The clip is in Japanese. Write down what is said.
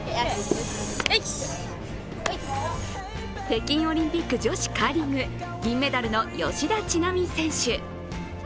北京オリンピック女子カーリング銀メダルの吉田知那美選手。